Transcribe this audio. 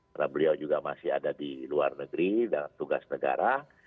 karena beliau juga masih ada di luar negeri dalam tugas negara